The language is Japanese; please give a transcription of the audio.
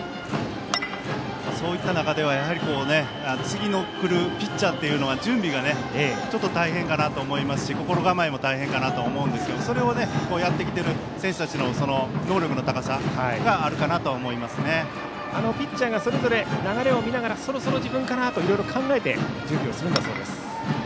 そういった中ではやはり次、来るピッチャーは準備がちょっと大変かなと思いますし心構えも大変かなと思うんですけどそれをやってきている選手たちの能力の高さがピッチャーがそれぞれ流れを見ながらそろそろ自分かなと考えて準備するそうです。